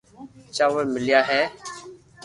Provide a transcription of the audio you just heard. چاور ميليا ھي